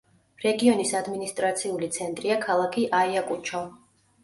რეგიონის ადმინისტრაციული ცენტრია ქალაქი აიაკუჩო.